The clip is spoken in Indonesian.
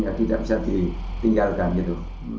tapi tidak bisa ditinggalkan gitu